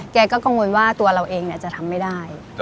แกก็กังวลว่าตัวเราเองจะทำไม่ได้